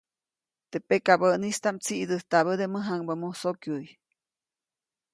Teʼ pakabäʼnistaʼm tsiʼdäjtabäde mäjaŋbä musokyuʼy.